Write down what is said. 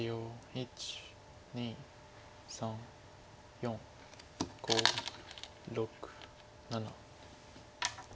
１２３４５６７。